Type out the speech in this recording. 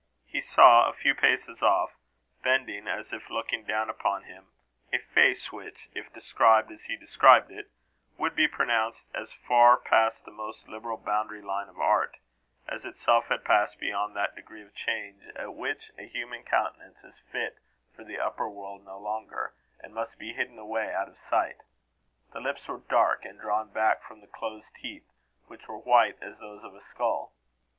He saw, a few paces off, bending as if looking down upon him, a face which, if described as he described it, would be pronounced as far past the most liberal boundary line of art, as itself had passed beyond that degree of change at which a human countenance is fit for the upper world no longer, and must be hidden away out of sight. The lips were dark, and drawn back from the closed teeth, which were white as those of a skull.